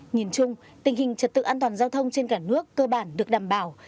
nhìn chung tình hình trật tự an toàn giao thông trên cả nước cơ bản được đảm bảo